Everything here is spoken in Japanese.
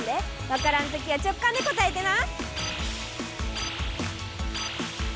わからんときは直かんで答えてな！